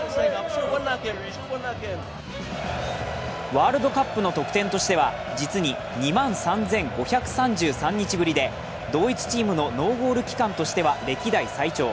ワールドカップの得点としては実に２万３５４４日ぶりで同一チームのノーゴール期間としては歴代最長。